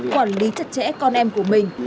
quản lý chặt chẽ con em của mình